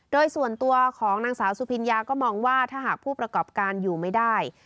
โดยส่วนตัวของนางสาวสุพิญญาก็มองว่าถ้าหากผู้ประกอบการอยู่ไม่ได้